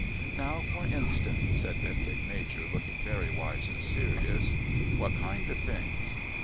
"Now, for instance," said Bentinck Major, looking very wise and serious. "What kind of things?"